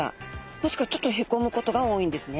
もしくはちょっとへこむことが多いんですね。